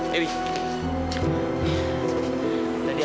tepit pun orang algikrutnya